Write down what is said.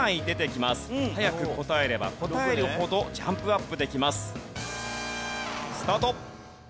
早く答えれば答えるほどジャンプアップできます。スタート。